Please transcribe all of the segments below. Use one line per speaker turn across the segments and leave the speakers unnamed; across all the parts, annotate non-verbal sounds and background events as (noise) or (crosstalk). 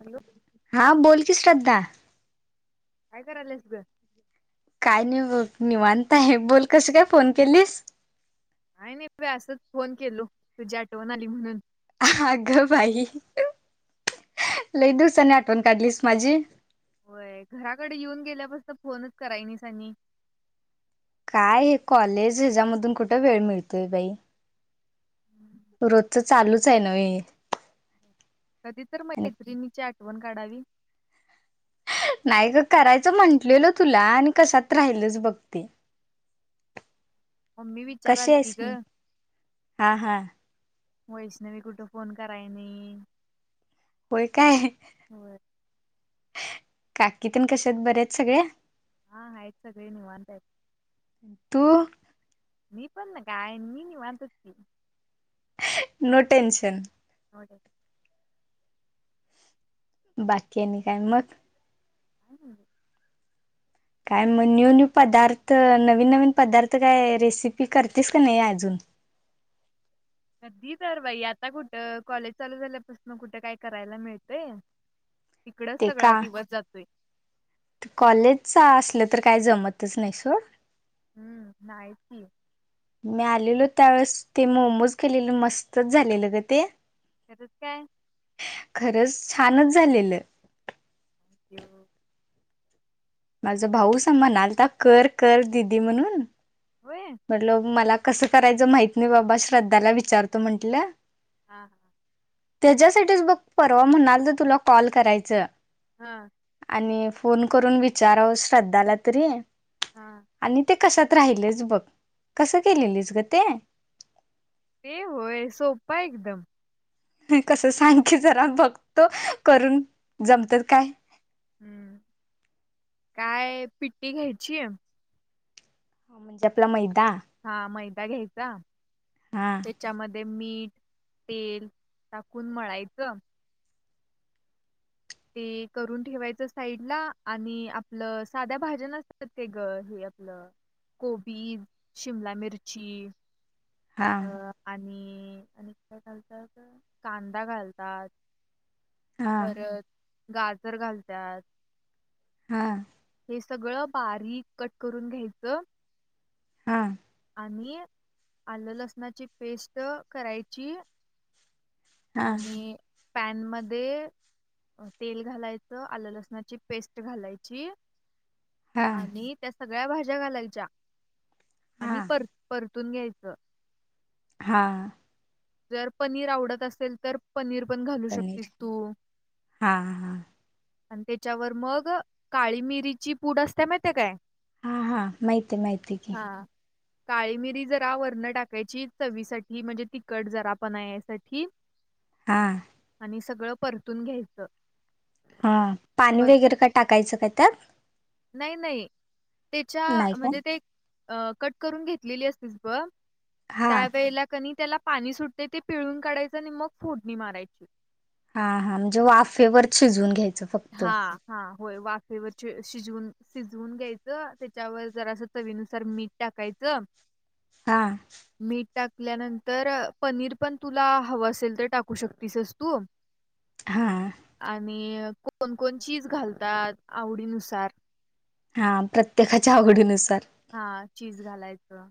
Hello
हा बोल की श्रद्धा
काय क आलंस ग
काय नाही मी मानताय बोल कशी काय फोन केलीस
आहे नाही त असंच फोन केलो तुझी आठवण आली म्हणून
अगं बाई लई दिवसाने आठवण काढलीस माझी
होय घराकडे येऊन गेल्यापासत फोनच करायनी सनी
काय हे कॉलेज हच्यामधून कुठं वेळ मिळतोय बाई रोज तर चालूच आहे न
कधी तर मैत्रिणीच्या ण काढावी
नाही ग करायचं म्हंटलेल तुला आणि कशात राहिलच बघते
मम्मी
कसे
विचारालती
आहेस
ग
मी हा हा
वईस ना मी कुठं फोन कराय नाही
होय काय
होय
काकीतन कशत बऱ्याच सगळ्या
हा आयत सगळी नव वातायत
तू
मी पण ना काय मी नाही म्हतो ती
नो टनशन
होर
बाकी आहेनी काय मग
काले
काय मग न्यू न्यू पदार्थ नवीन नवीन पदार्थ काय रेसिपी करतेस का नाही अजून
कधी तर बाई आता कुठं कॉलेज चालू झाल्यापासून कुठे काय करायला मिळतय तिकडेच
ते का
सगळा दिवस जातोय
कॉलेजच असलं तर काय जमतच नाही स
हम्म माती
मी आलेलो त्यावेळेस ते मोमोज केलेल मस्तच झालेलं ग ते
तरच काय
खरंच छानच झालेलं
तो
माझ भाऊ स म्हन आलता कर कर दिदी म्हणून
होय
म्हटल मला कसं करायचं माहत नाही बाबा श्रद्धाला विचारतो म्हंटलं
हा हा
त्याच्यासाठीच बघ परवा म्हणाल तर तुला कॉल करायचं
हा
आणि फोन करून विचारव श्रद्धाला तरी
हां.
आणि ते कसात राहिलेच बघ कसं केलेलीच ग ते
ते होय सोपपाा एकदम
नाही कसं सांग की जरा बघतो करून जमतात काय
हम्म काय पिट्टी घ्यायची आहे
म्हणजे आपला मै
हा माय गळेस
हा
त्याच्यामध्ये म मीठ तेल टाकून मळायचं ते करून ठेवायचं साईड ला आणि आपलं साध्या भाज्या नसतात ते ग हे आपलं कोबी शिमला मिरची
हा
अ आणि आणि काय घालतात कांदा घालतात
हा
परत गाजर घालतात
हा
हे सगळं बारीक कट करून घ्यायच
हा
आणि आणि आलं लसणाची पेस्ट करायची
हा
आणि पॅन मध्ये तेल घालायचं आलं लसणाची पेस्ट घालायची
हा
आणि त्या सगळ्या भाज्या घालायच्या आणि पर पर तून घ्यायचं
हा
जर पनीर आवडत असेल तर पनीर पण घालू
पनीर
शकतेस तू
हा हा
आणि त्याच्यावर मग काळी मिरीची पूड असते माहिती काय
हा हा माहती आहे माहिती आहे की
हा काळी मिरी जरा वर्ण टाकायची चवीसाठीठी म्हणजे त कट जरा आपण आहे यासाठी
हा
आणि सगळं परतून घ्यायच
हा पाणी वगैरे काय टाकायचं काय त्यात
नाही नाही
नाही
त्याच्या
काय
म्हणजे ते अ कट करून घेतलेली असतीस ब
हा
त्या पला कनी त्याला पाणी सुटते ते पिळून काढायचं आणि मग फोडणी मारायची
हा हा म्हणजे वाफेवर शिजून घ्यायच
हा हा होय वाफेवर शिजवून शिजवून घ्यायचं त्याच्यावर जरा असं चवीनुसार मीठ टाकायचं
हा
मीठ टाकल्यानंतर पनीर पण तुला हवं असेल तर टाकू शकतीसस तू
हा
आणि कोणकोण चीज घालतात आवडीनुसार
हा प्रत्येकाच्या आवघडीनुसार
हा चीज घालायचं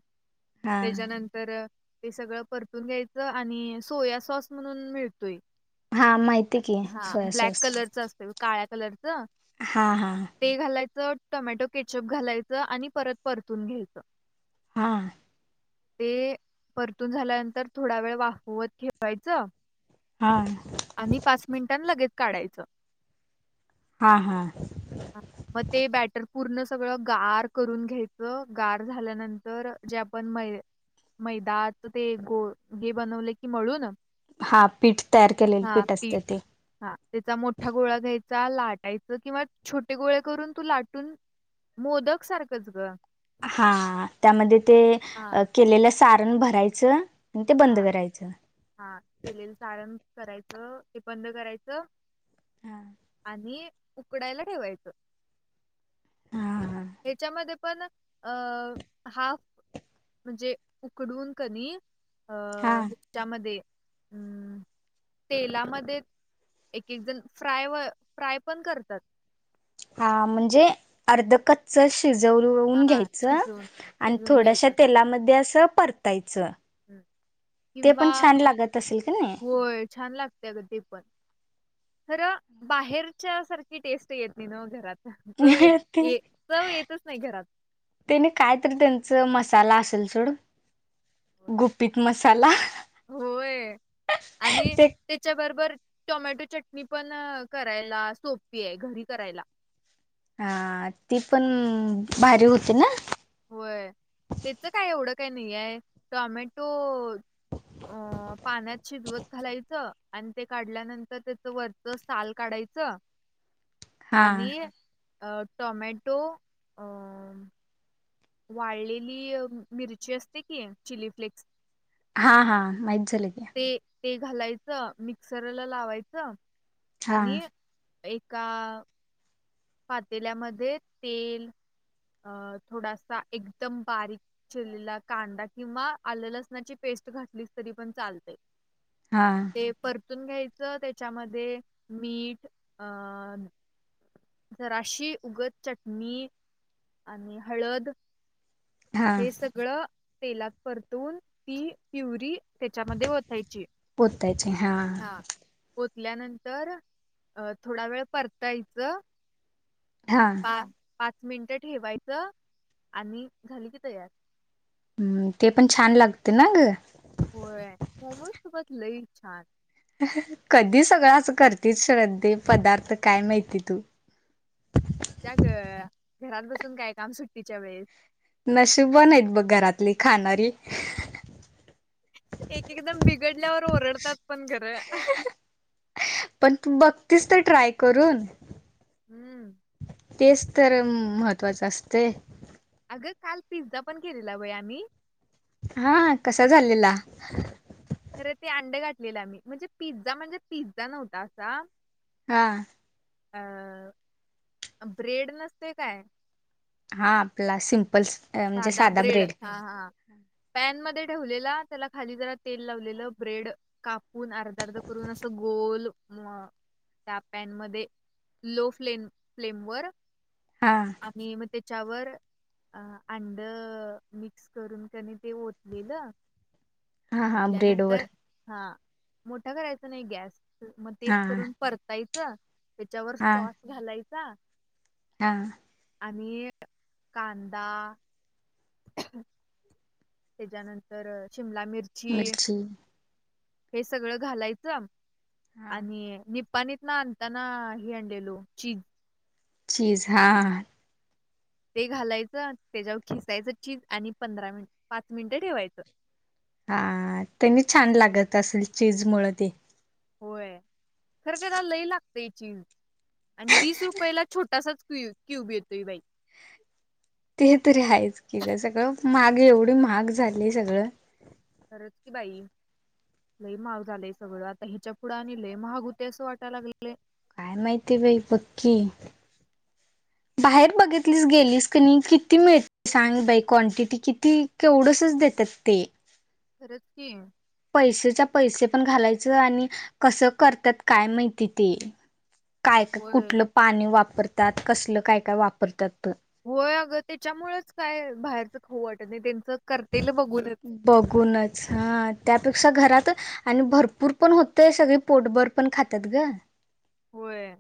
हा
त्याच्यानंतर ते सगळं परतून घ्यायचं आणि सोया सॉस म्हणून मिळतोय
हा माहिती की
हा
सोया
ब्लक
सॉस
कलर असत काळ्या कलरच
हा हा
ते घालायचं टोमॅटो केचअप घालायचं आणि परत परतून घ्यायचं
हा
ते परतून झाल्यानंतर थोडा वेळ वाहवत ठेवायचं
हा
आणि पाच मिनिटांनी लगेच काढायचं
हा हा
अ, मग ते बॅटर पूर्ण सगळं गार करून घ्यायचं गार झाल्यानंतर जे आपण मै मैदात ते गो घे बनवले की मळूून
हा पीठ तयार केलेलं पीठ असते ते
हा त्याचा मोठा गोळा घ्यायचा लाटायच किंवा छोटे गोळे करून तू लाटून मोदक सारखंच ग
हा त्यामध्ये ते
हा
केलेल्या सारण भरायचं आणि ते बंद
हा
करायचं
हा केलेलं सारण करायचं हे बंद करायचं
हा
आणि उकडायला ठेवायचं
हा
ह्याच्यामध्ये पण हाफ म्हणजे उकडून क अ
हा
हच्यामध्ये अम् तेलामध्ये एक एक जण फ्राय व फ्राय पण करतात
हा म्हणजे अर्ध कच्च शजून
हा
घ्यायच
शिजवून
आणि
शिजवून
थोडश तेलामध्ये स पररतायत
ह किंवा
छान लागत असेल का नाही
होय छान लागते अग ते पण खर बाहेरच्या सारखी टेस्ट येत नाही ना घरात चव येत ये चव येतच नाही घरात.
ने कायतरी त्यांच मस्त चला असेल चूड
होय आणि
ते
त्याच्या बरोबर टोमॅटो चटणी पण करायला सोपी आहे घरी करायला
हा ती पण भारी होती ना
होय त्याच काय एवढं काही नाही आहे टॉमॅटो अ पाण्यात शिजवत घालायचं आणि ते काढल्यानंतर त्याच वरच साल काढायचं
हा
आणि अ टोमॅटो वाढलेली मिरची असते की चिली फ्लेक्स
हा हा म जलक
ते ते घालायचं मिक्सरला लावायचं
हा
आणि एका पातेल्यामध्ये तेल अ थोडासा एकदम बारीक चिरलेला कांदा किंवा आलं लसणाची पेस्ट घातलीस तरी पण चालते
हा
ते पर तून घ्यायचं त्याच्यामध्ये मीठ अ जराशी उगत चटणी आणि हळद
हा
हे सगळं तेलात परतून ती प्युरी त्याच्यामध्ये ओतायची हा िकल्यानंतर अ थोडा वेळ परतायचं
हा
पा पाच च मिनिटं ठेवायचं आणि झाली की तयार
हम्म ते पण छान लागते ना ग
होय मम सुबत लई छान
कधी सगळं अस करतेस श्रद्धे पदार्थ काय माहिती तू
मज्जा ग. घरात बसून काय काम सुट्टीच्या वेळेस
नशीबवाण आहेत बघ घरातली खाणारी,
एक एकदम बिघडल्यावर ओरडतात पण घर
पण तू बघ (unintelligible) ट्राय करून
हम्म
तेच तर महत्त्वाचं असतय.
अगं काल पिझ्झा पण केलेला वय आम्ही
हा कसा झालेला.
अरे ते अंड घातलेला मी म्हणजे पिझ्झा म्हणजे पिझ्झा नव्हता असा,
हा
अ ब्रेड नसते काय
हा आपला सिम
साधा ब्रेड हा हा पॅन मध्ये ठेवलेला त्याला खाली जरा तेल लावलेलं ब्रेड कापून अर्ध अर्ध करून अस गोल त्या पॅन मध्ये लो फ्लेम फ्लेम वर
हा
आणि मग ते त्यावर अंड मिक्स करून कनी ते ओतलेलं
हा हा ब्रेड वर
उठल्यानंतर हा, मोठा करायचा नाही गॅस म ते
हा
करून परताय का त्याच्यावर
हा
सॉस घालायचा, सहा
हा
आणि कांदा ह त्याच्यानंतर, शिमला मिर्ची,
मिरची
हे सगळं घालायचं.
हा
आणि नि पाणीत ना आणताना ही आणलेलो चीन
चीज हां
ते घालायचं त्याच्यावर खेसायचं चीज आणि पंधरा मिन पाच मिनिटं ठेवायचं.
हा त्यांनी छान लागत असल चीज मुळे ते
होय. खरखर लई लाग ते चीज आणि वीस रुपयाला छोटासाच क्यूब, क्यूब येते बाई
ते तरी आहेच की ग सगळं महाग एवढी महाग झाली सगळं
खरंच की बाई लई महाग झालंय सगळं आता हिच्या पुढं आणलेय महाग होते असं वाटायला लागले
काय माहितीय बाई पक्की बाहेर बघितलीस गेलीस क नाही किती मिळते सांग बाई क्वांटिटी किती केवढसच देतात ते
खरंच की
पैसेच्या पैसे पण घालायचं आणि कसं करतात काय माहिती ते काय का
होय
कुठलं पाणी वापरत ात कसलं काय काय वापरतात
होय अगं त्याच्यामुळेच काय बाहेरच ख वाट त्यांच
बघूनच हा त्यापेक्षा घरात आणि भरपूर पण होतय सगळी पोटबर पण खातात ग
होय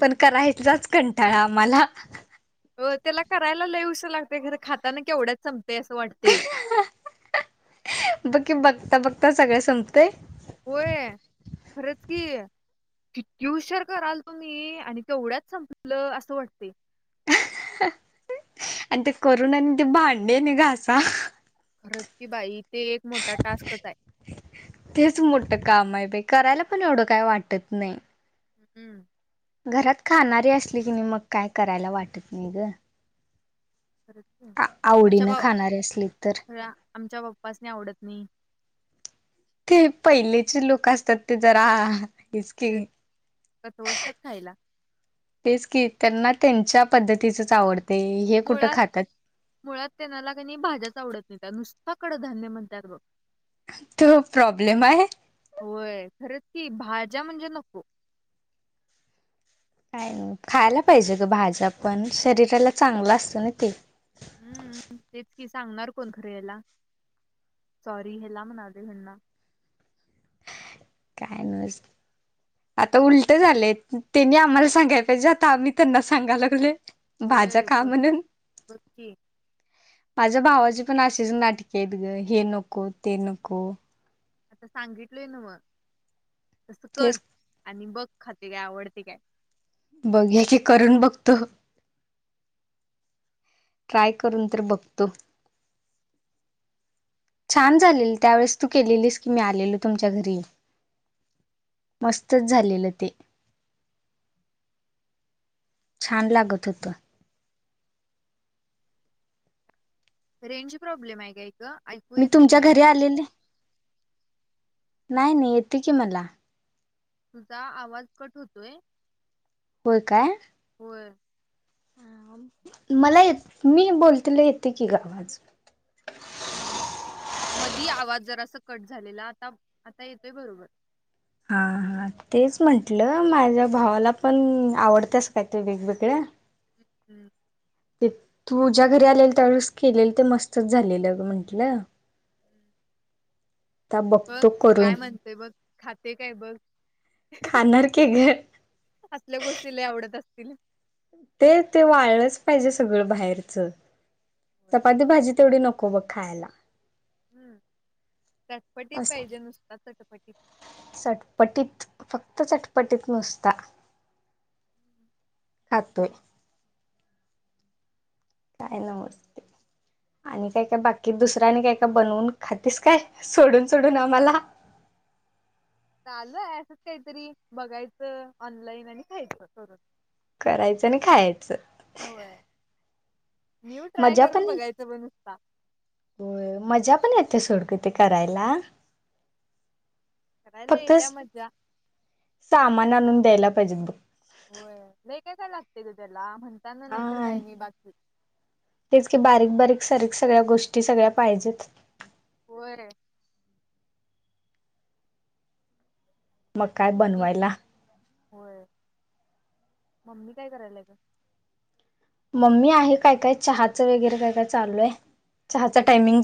पण करायच तलाच कंटाळा मला
अ त्याला करायला लईश लागतेर खाताना केवढ्या चम
बकी बघता बघता आता सगळे संपतेय
होय खरंच की कि ट्युशर कराल तुम्ही आणि तेवढ्याच संपलं असं वाटत ते
आणि ते करून आणि ते भांडे नाही घासा.
खरज की बाई, ते एक मोठा टास्कच आहे
तेच मोठं काम आहे पेकी करायला पण एवढं काय वाटत नाही.
हम्म
घरात खाणारी असली की नाही मग काय करायला वाटत नाही ग,
खरच
आ-
आमच्या
आवडीनं
बा
खाणारे असली तर
ख आमच्या बा तपासणी आवडत नाही.
ते पहिलेचे लोक असतात ते जरा च क
खरंच कसं असतात खायला
तेच कि त्यांना त्यांच्या पद्धतीचच आवडतं
मुळात मुळात त्यांनाला क भाज्याच आवडत नाही त्या नुसता्याकडं धान्य म्हणतात बघ,
तो प्रॉब्लेम आहे.
कि भाज्या म्हणजे नको,
का खायला पाहिजे ग भाज्या पण शरीराला चांगलं असतं ना ते,
हम्म तेच कि सांगणार कोण खरे ह्याला सॉरी ह्याला म्हणाले हेणना
काय न आता उलट झालेय त्यांनी आम्हाला सांगायला पाहिजे आता आम्ही त्यांना सांगा लागले. भाज्या
होय
खा
बघ
म्हणून
बघ की
माझ्या भावाची पण अशीच नाटके आहेत ग हे नको ते नको
आता सांगितलय ना मग, तसं कर
तेच
आणि बघ खाते काय आवडते काय,
बघया की करण बघत ट्राय करून तर बघतो छान झालेल त्यावेेळेस तू केलेलीस की मी आलेलो तुमच्या घरी मस्तच झालेलं ते छान लागत होत.
रेंज प्रॉब्लेम आहे काय का,
मी तुमच्या घरी आलेले, नाही नाही येत की मला
तुझा आवाज कट होतोय.
हो काय,
बर
मला मी बोलते येते की गावाज
हम्म मधी आवाज जर अस कट झालेला आता आता येतोय बरोबर
हा हा तेच म्हंटलं माझ्या भावाला पण आवडतस काय ते वेगवेगळ्या
हम्म
ते तू ज्या घरी आलेल त्यावेळेस केलेल ते मस्तच झालेलं म्हंटलं, आता
बघ
बघतो
काय
करून
म्हणते बघ खाते काय बघ
खाणार की ग
असल्या गोष्टीला आवडत असते. तल
ते ते वाढलंच पाहिजे सगळं बाहेरच
होय.
चपाती भाजी तेवढी नको को ब खायला
हम्म चटपटीत
अस
पाहिजे नुसतात चटपटीत
चटपटीत फक्त चटपटीत नुसता खातोय काय नमस्ते आणि काय काय बाकी दुसऱ्यानी काय काय बनवून खातीस काय सोडून सोडून आम्हाला
आलं असंच काहीतरी बघायचं ऑनलाईन आणि खायचं करून
करायचं आणि खायचं
होय न्यू ट्राय
मजा पण
करून बघायचं पण नुसता
हो मजा पण येते सोड क ते करायला
करायला येत्या
फक्तच
मज्जा
सामान आणून द्यायला पाजब
होय लय काय काय लागते ग तेला
हा तेच कि बारीक बारीक स सगळ्या गोष्टी सगळ्या पाहिजेत
व्हा
मग काय
मी
बनवायला
होय मम्मी काय करायलाय
मम्मी आहे काय काय चहाच वगैरे काय काय चालू आहे चहा च टायमिंग